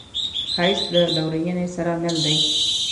ښایست له لورینې سره مل دی